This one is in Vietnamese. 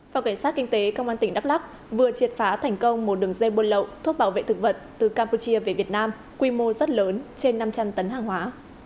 phòng cảnh sát kinh tế công an tỉnh đắk lắc vừa triệt phá thành công một đường dây buôn lậu thuốc bảo vệ thực vật từ campuchia về việt nam quy mô rất lớn trên năm trăm linh tấn hàng hóa